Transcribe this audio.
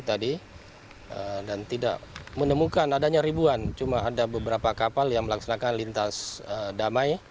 dan tidak menemukan adanya ribuan cuma ada beberapa kapal yang melaksanakan lintas damai